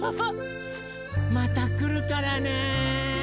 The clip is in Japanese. またくるからね！